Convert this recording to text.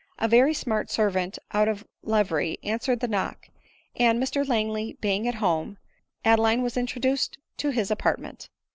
A very smart servant out of livery answered the knock ; and Mr Langley being at home, Adeline was introduced into his apartment.